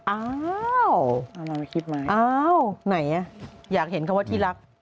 อ้าวอ้าวไหนอ่ะอยากเห็นคำว่าที่รัก